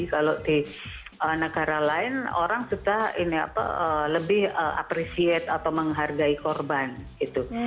kalau di negara lain orang sudah lebih appreciate atau menghargai korban gitu